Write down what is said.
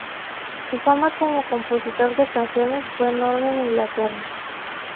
Su fama como compositor de canciones fue enorme en Inglaterra.